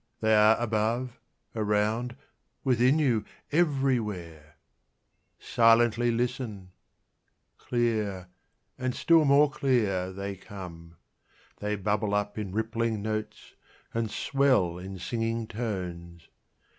They are above, around, within you, everywhere. Silently listen! Clear, and still more clear, they come. They bubble up in rippling notes, and swell in singing tones.